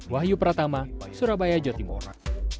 wahyu pratama surabaya jatimura